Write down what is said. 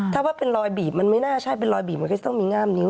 ถ้าว่าเป็นรอยบีบมันไม่น่าใช่เป็นรอยบีบมันก็จะต้องมีง่ามนิ้